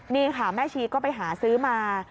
นี่ค่ะแม่ชีก็ไปหาซื้อมา